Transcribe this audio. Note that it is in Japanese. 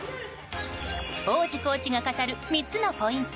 王子コーチが語る３つのポイント